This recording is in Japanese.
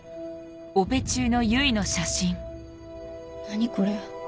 何これ。